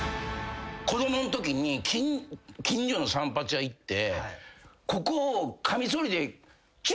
子供んときに近所の散髪屋行って。